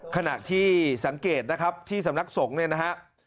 ขณะที่สังเกตนะครับที่สำนักสงฆ์เนี่ยนะฮะ